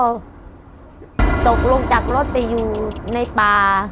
ตกลงจากรถไปอยู่ในป่า